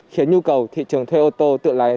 khiến nhu cầu thị trường thuê ô tô tự lái